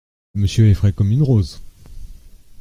Monsieur est frais comme une rose !…